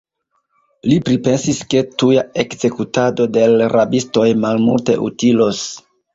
Li pripensis, ke tuja ekzekutado de l' rabistoj malmulte utilos.